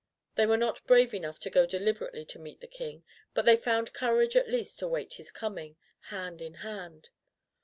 They were not brave enough to go de liberately to meet the King, but they found courage at least to wait his coming, hand in hand.